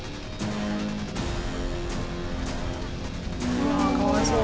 うわあかわいそう。